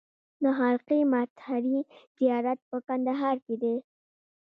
د خرقې مطهرې زیارت په کندهار کې دی